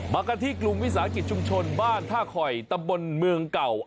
กันที่กลุ่มวิสาหกิจชุมชนบ้านท่าคอยตำบลเมืองเก่า